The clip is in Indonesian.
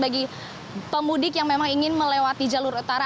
bagi pemudik yang memang ingin melewati jalur utara